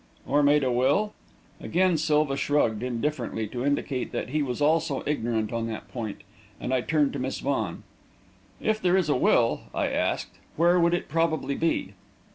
"Or made a will?" Again Silva shrugged indifferently to indicate that he was also ignorant on that point, and I turned to Miss Vaughan. "If there is a will," I asked, "where would it probably be?"